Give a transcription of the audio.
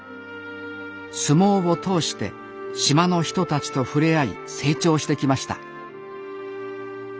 相撲を通して島の人たちと触れ合い成長してきました